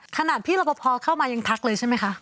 ขนาดพี่รับประพอเข้ามายังทักเลยใช่ไหมคะ